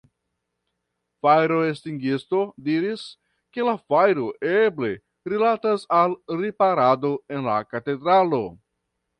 Fajroestingisto diris, ke la fajro eble rilatas al riparado en la katedralo.